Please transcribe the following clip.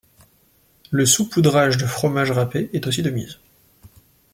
Le sous-poudrage de fromage râpés est aussi de mise.